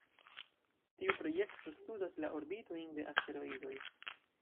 Tiu projekto studas la orbitojn de asteroidoj.